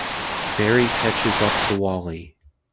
Barry catches up to Wally.